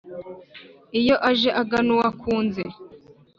Iyo aje agana uwo akunze,